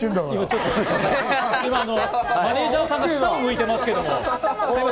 今、マネジャーさんが下を向いてますけど。